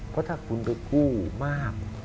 เพราะถ้าคุณไปกู้มาก